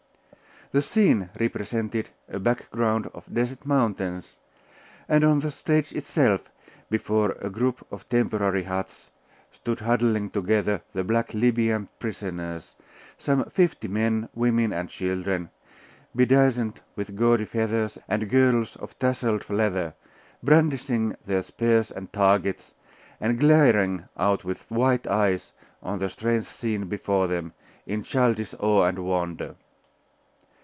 The scene represented a background of desert mountains, and on the stage itself, before a group of temporary huts, stood huddling together the black Libyan prisoners, some fifty men, women, and children, bedizened with gaudy feathers and girdles of tasselled leather, brandishing their spears and targets, and glaring out with white eyes on the strange scene before them, in childish awe and wonder.